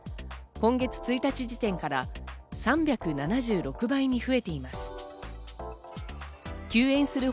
今月１日時点から３７６倍に増えています。